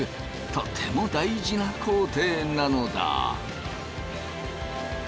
とても大事な工程なのだ。